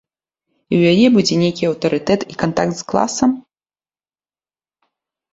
І ў яе будзе нейкі аўтарытэт і кантакт з класам?